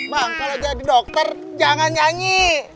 bang kalau jadi dokter jangan nyanyi